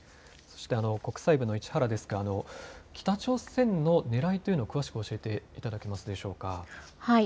そして国際部の市原デスク、北朝鮮のねらいというのを詳しく教えていただけますでしょうか。